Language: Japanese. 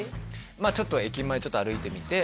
まあちょっと駅前歩いてみて